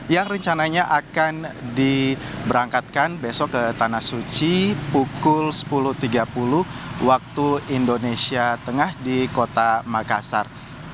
yang rencananya akan diberangkatkan besok ke tanah suci pukul sepuluh tiga puluh waktu indonesia tengah di kota makassar